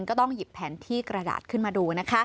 ก็ต้องหยิบแผนที่กระดาษขึ้นมาดูนะคะ